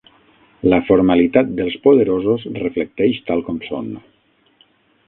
La formalitat dels poderosos reflecteix tal com són.